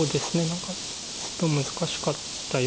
何かずっと難しかったような。